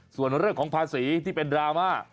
ส่วนเรื่องของภาษีที่เป็นดราม่า